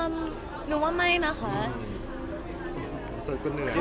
เอิ่มหนูว่าไม่นะคะ